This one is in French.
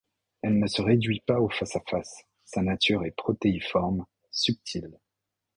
Elle ne se réduit pas au face à face, sa nature est protéiforme, subtile.